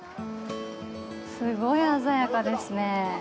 すごい鮮やかですねぇ。